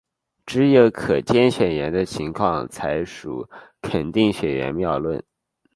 只有可兼选言的情况才属肯定选言谬误。